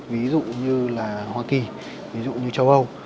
ví dụ như hoa kỳ châu âu